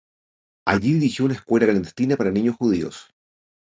Allí dirigió una escuela clandestina para niños judíos.